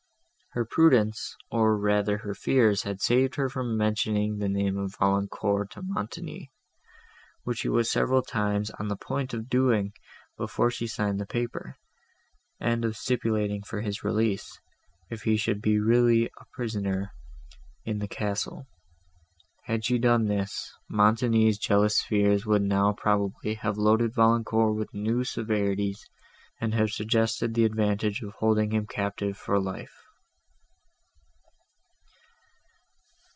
Her prudence, or rather her fears, had saved her from mentioning the name of Valancourt to Montoni, which she was several times on the point of doing, before she signed the paper, and of stipulating for his release, if he should be really a prisoner in the castle. Had she done this, Montoni's jealous fears would now probably have loaded Valancourt with new severities, and have suggested the advantage of holding him a captive for life.